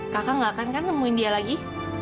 kakak gak akan kan nemuin dia lagi